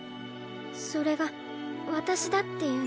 それがわたしだっていうの？